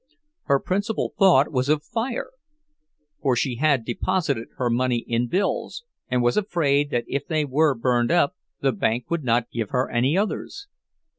Her principal thought was of fire, for she had deposited her money in bills, and was afraid that if they were burned up the bank would not give her any others.